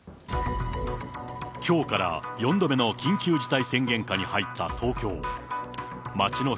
きょうから４度目の緊急事態宣言下に入った東京。